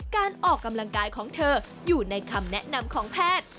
การออกกำลังกายของเธออยู่ในคำแนะนำของแพทย์